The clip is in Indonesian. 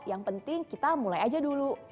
yang penting kita mulai aja dulu